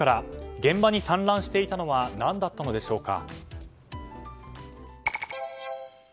現場に散乱していたのは何だったのでしょうか。